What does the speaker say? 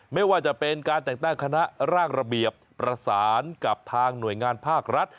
ไม่ว่าจะเป็นการแต่งตั้งคณะร่างระเบียบประสานกับทางหน่วยงานภาครัฐ